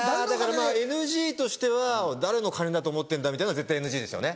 ＮＧとしては「誰の金だと思ってんだ」みたいのは絶対ＮＧですよね。